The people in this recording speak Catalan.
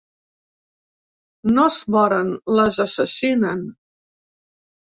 No es moren, les assassinen.